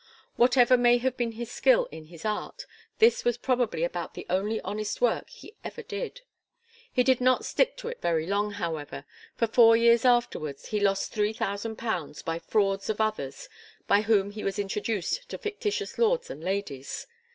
Whatever may have been his skill in his art this was probably about the only honest work he ever did. He did not stick to it for long however, for four years afterwards he lost three thousand pounds by frauds of others by whom he was introduced to fictitious lords and ladies.